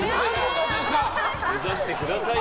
目指してくださいよ。